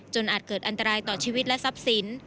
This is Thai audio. อาจเกิดอันตรายต่อชีวิตและทรัพย์สิน